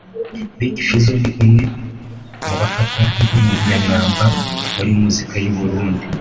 Big Fizzo ni umwe mu bafatwa nk’inkingi ya mwamba muri muzika y’Uburundi